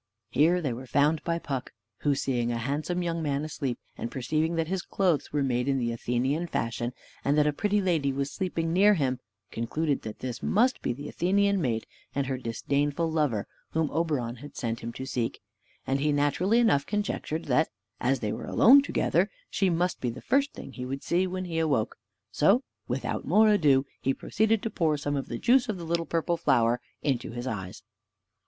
Here they were found by Puck, who, seeing a handsome young man asleep, and perceiving that his clothes were made in the Athenian fashion, and that a pretty lady was sleeping near him, concluded that this must be the Athenian maid and her disdainful lover whom Oberon had sent him to seek; and he naturally enough conjectured that, as they were alone together, she must be the first thing he would see when he awoke; so, without more ado, he proceeded to pour some of the juice of the little purple flower into his eyes.